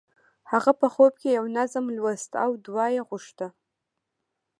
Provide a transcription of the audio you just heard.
هغه په خوب کې یو نظم لوست او دعا یې غوښته